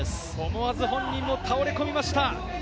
思わず本人も倒れ込みました。